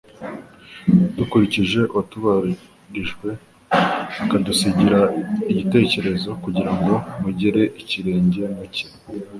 dukurikije “uwatubabarijwe akadusigira icyitegererezo, kugira ngo mugere ikirenge mu cye.